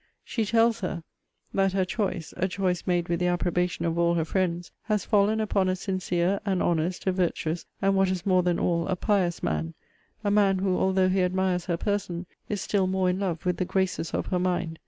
She tells her, 'That her choice (a choice made with the approbation of all her friends) has fallen upon a sincere, an honest, a virtuous, and, what is more than all, a pious man; a man who, although he admires her person, is still more in love with the graces of her mind.